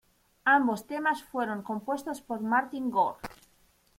Ambos temas fueron compuestos por Martin Gore.